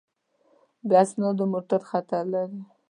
بې اسنادو موټر خطر لري.